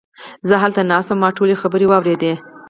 زه هلته ناست وم، ما ټولې خبرې واوريدې!